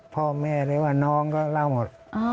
พ่อแม่น้องก็เล่าหมด